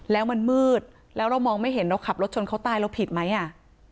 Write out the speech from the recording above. แล้วมันมืดแล้วเรามองไม่เห็นเราขับรถชนเขาตายเราผิดไหมอ่ะ